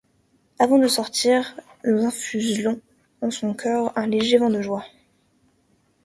Avant de sortir, nous insufflons en son cœur un léger vent de joie.